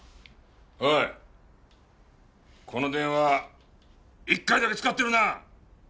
おいこの電話１回だけ使ってるな？